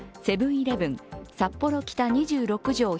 セブン−イレブン札幌北２６条